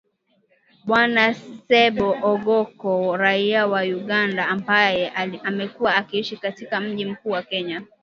Bwana Ssebbo Ogongo raia wa Uganda ambaye amekuwa akiishi katika mji mkuu wa Kenya